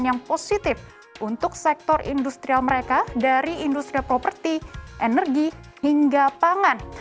dan yang positif untuk sektor industrial mereka dari industrial property energi hingga pangan